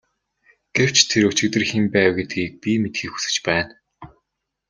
Гэвч тэр өчигдөр хэн байв гэдгийг би мэдэхийг хүсэж байна.